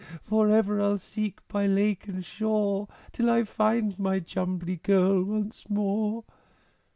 For ever I'll seek by lake and shore Till I find my Jumbly Girl once more!"